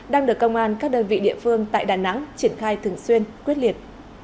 đang được công an các đơn vị địa phương tại đà nẵng triển khai thường xuyên quyết liệt